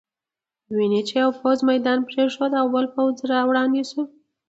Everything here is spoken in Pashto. وینې چې یو پوځ میدان پرېښود، بل پوځ را وړاندې شو.